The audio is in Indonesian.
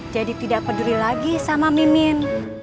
jadi tidak peduli lagi sama mimin